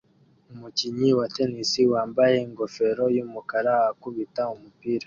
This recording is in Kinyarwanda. Umukinnyi wa Tennis wambaye ingofero yumukara akubita umupira